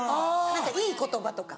何かいい言葉とか。